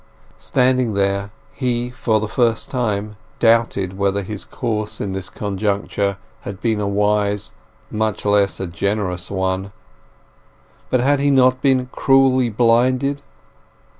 Standing there, he for the first time doubted whether his course in this conjecture had been a wise, much less a generous, one. But had he not been cruelly blinded?